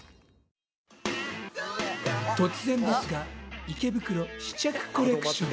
突然ですが池袋試着コレクション。